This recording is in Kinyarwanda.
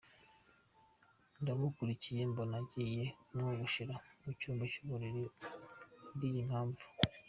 ndamukurikiye mbona agiye kumwogoshera mu cyumba cy'uburiri buriya impamvu.